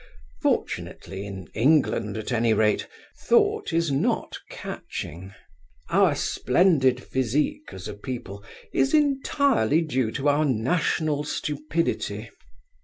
Fortunately, in England at any rate, thought is not catching. Our splendid physique as a people is entirely due to our national stupidity.